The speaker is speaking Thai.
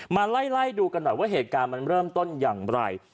มาไล่ดูกันหน่อยว่าเหตุการณ์มันเริ่มต้นอย่างไร